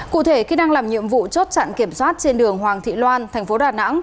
cụ thể khi đang làm nhiệm vụ chốt chặn kiểm soát trên đường hoàng thị loan tp đà nẵng